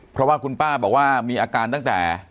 เพราะว่าคุณป้าบอกว่ามีอาการตั้งแต่